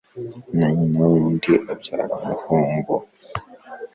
Na nyina w'undi abyara umuhungu